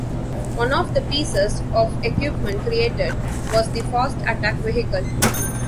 One of the pieces of equipment created was the Fast Attack Vehicle.